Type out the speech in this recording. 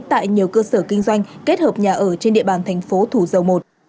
tại nhiều cơ sở kinh doanh kết hợp nhà ở trên địa bàn tp hcm